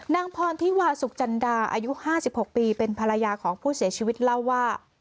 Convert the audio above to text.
นางพรธิวาสุกจันดาอายุ๕๖ปีเป็นภรรยาของผู้เสียชีวิตเล่าว่า